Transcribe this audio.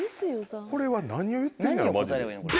これは何を言ってんやろマジで。